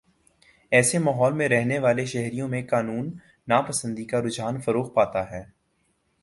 ایسے ماحول میں رہنے والے شہریوں میں قانون ناپسندی کا رجحان فروغ پاتا ہے